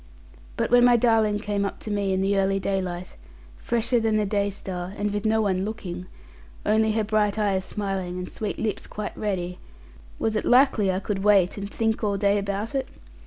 But when my darling came up to me in the early daylight, fresher than the daystar, and with no one looking; only her bright eyes smiling, and sweet lips quite ready, was it likely I could wait, and think all day about it?